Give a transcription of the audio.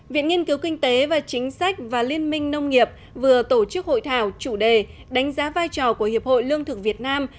viện nghiên cứu kinh tế và chính sách và liên minh nông nghiệp vừa tổ chức hội thảo chủ đề đánh giá vai trò của hiệp hội lương thực việt nam